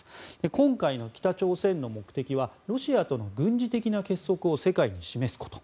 今回の北朝鮮の目的はロシアとの軍事的な結束を世界に示すこと。